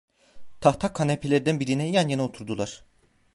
Tahta kanapelerden birine yan yana oturdular.